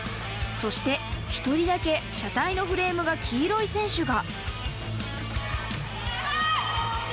そして、１人だけ車体のフレームが黄色い選手が。